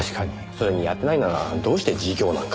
それにやってないならどうして自供なんか。